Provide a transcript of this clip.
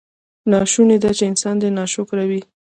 ناشونې ده چې انسان دې ناشکره وي.